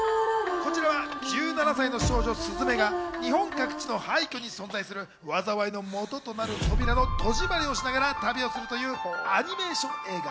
こちらは１７歳の少女・すずめが日本各地の廃虚に存在する災いの元となる扉の戸締りをしながら旅をするというアニメーション映画。